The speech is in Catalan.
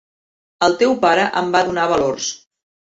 El teu pare em va donar valors.